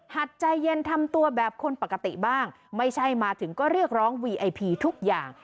หัดใจเย็นทำตัวแบบคนปกติบ้างไม่ใช่มาถึงก็เรียกร้องวีไอพีทุกอย่าง